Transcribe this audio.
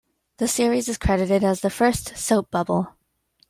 The series is credited as the first 'soap bubble'.